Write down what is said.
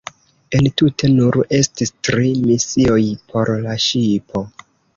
Entute nur estis tri misioj por la ŝipo.